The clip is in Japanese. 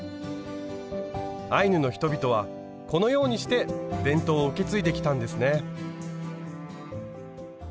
アイヌの人々はこのようにして伝統を受け継いできたんですね。